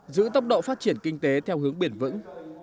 giữ tốc độ phát triển kinh tế theo hướng bền vững